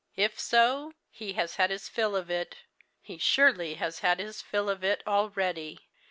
If so, he has his fill of it he surely has had his fill of it! already.